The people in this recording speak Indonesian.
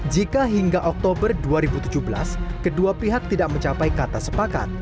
jika hingga oktober dua ribu tujuh belas kedua pihak tidak mencapai kata sepakat